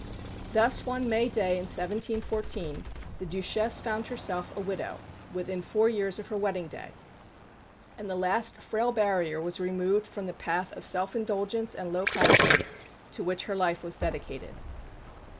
Thus, one May day in 1714, the Duchesse found herself a widow, within four years of her wedding day; and the last frail barrier was removed from the path of self indulgence and low passions to which her life was dedicated.